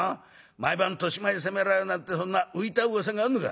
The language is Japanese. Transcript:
毎晩年増にせめられるなんてそんな浮いたうわさがあんのか？」。